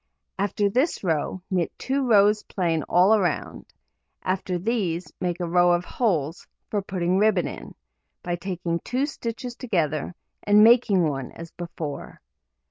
After this row, knit 2 rows plain all round; after these, make a row of holes (for putting ribbon in) by taking 2 stitches together, and making one as before.